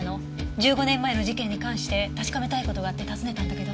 １５年前の事件に関して確かめたい事があって訪ねたんだけど。